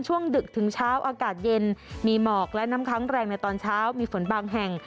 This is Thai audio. ดึกถึงเช้าอากาศเย็นมีหมอกและน้ำค้างแรงในตอนเช้ามีฝนบางแห่ง